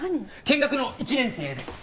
見学の１年生です。